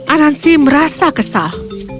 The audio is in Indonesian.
anansi merasa kesal